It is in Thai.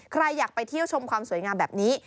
ใครอยากไปเที่ยวชมความสวยงามแบบนี้